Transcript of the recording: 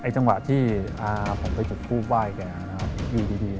จังหวะที่ผมไปจุดฟูบว่ายแกนะครับอยู่ดีเนี่ย